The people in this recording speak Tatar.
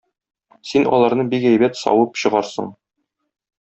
Син аларны бик әйбәт савып чыгарсың.